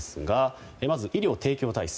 まず医療提供体制。